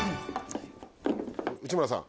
内村さん